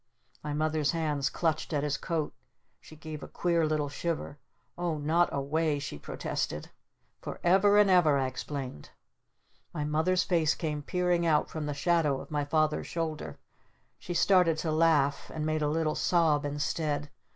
My Mother's hands clutched at his coat. She gave a queer little shiver. "Oh not 'away'!" she protested. "For ever and ever," I explained. My Mother's face came peering out from the shadow of my Father's shoulder. She started to laugh. And made a little sob instead.